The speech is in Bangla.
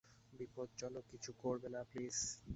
বিপজ্জনক কিছু করবে না, প্লিজ!